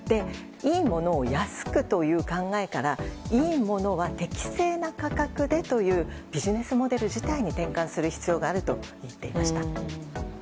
いいものを安くという考えからいいものは適正な価格でというビジネスモデル自体に転換する必要があると言っていました。